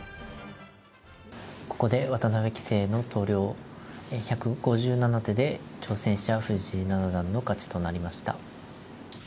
ここで渡辺棋聖の投了、１５７手で挑戦者、藤井七段の勝ちとなりました。